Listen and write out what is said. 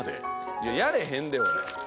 いややれへんで俺。